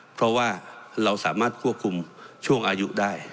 เพราะว่าเราสามารถควบคุมช่วงอายุได้